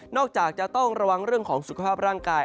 จากจะต้องระวังเรื่องของสุขภาพร่างกาย